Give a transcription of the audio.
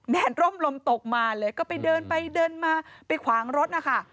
แดดร่มลมตกมาเลยก็ไปเดินไปเดินมาไปขวางรถนะคะ